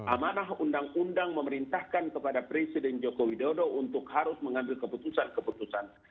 amanah undang undang memerintahkan kepada presiden joko widodo untuk harus mengambil keputusan keputusan